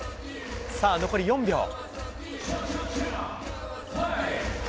さあ、残り４秒。